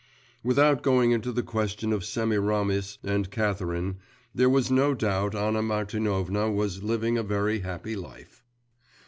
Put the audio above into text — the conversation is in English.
Without going into the question of Semiramis and Catherine, there was no doubt Anna Martinovna was living a very happy life.